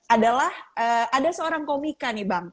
adalah ada seorang komika nih bang